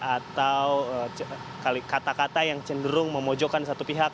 atau kata kata yang cenderung memojokkan satu pihak